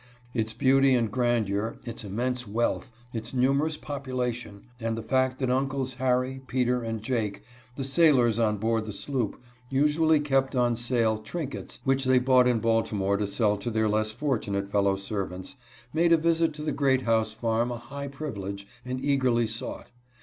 Its beauty and grandeur, its immense wealth, its numerous popu lation, and the fact that uncles Harry, Peter, and Jake, the sailors on board the sloop, usually kept on sale trink ets which they bought in Baltimore to sell to their less fortunate fellow servants, made a visit to the Great House farm a high privilege, and eagerly sought.